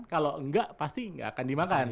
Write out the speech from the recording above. kalau enggak pasti nggak akan dimakan